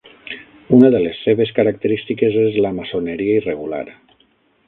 Una de les seves característiques és la maçoneria irregular.